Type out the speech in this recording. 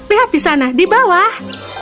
lihat di sana di bawah